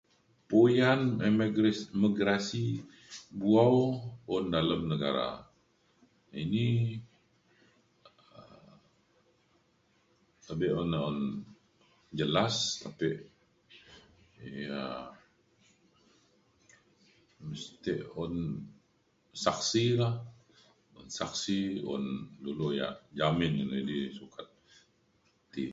Puyan imigra-imigrasi bu'au un dalem negara ini abe un un jelas tapi ya mesti un saksi la saksi un dulu ya jamin [unintelligible] sukat ti